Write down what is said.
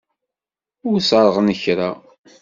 Ur ṣerɣen kra.